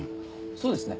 そうですね。